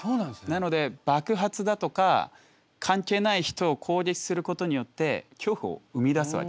なので爆発だとか関係ない人を攻撃することによって恐怖を生み出すわけですよね。